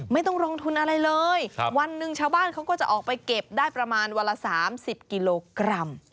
ไม่ต้องลงทุนอะไรเลยวันหนึ่งชาวบ้านเขาก็จะออกไปเก็บได้ประมาณวันละ๓๐กิโลกรัม